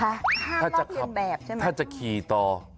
ห้ามลอกเลียนแบบใช่ไหมต้องใส่หมวกเปิดไฟถ้าจะขี่ต่อ